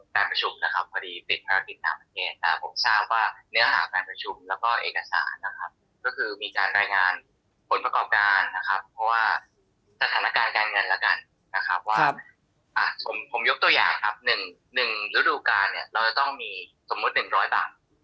หนึ่งฤดูการเนี่ยเราจะต้องมีสมมุติ๑๐๐บาท